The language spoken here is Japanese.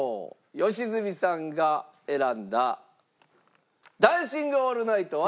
良純さんが選んだ『ダンシング・オールナイト』は。